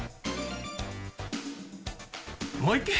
「もう一軒」。